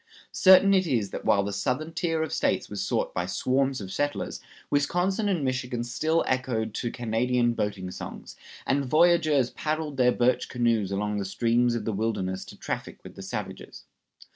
Certain it is that while the southern tier of States was sought by swarms of settlers, Wisconsin and Michigan still echoed to Canadian boating songs, and voyageurs paddled their birch canoes along the streams of the wilderness to traffic with the savages.